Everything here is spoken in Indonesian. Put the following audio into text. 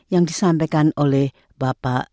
yang disampaikan oleh bapak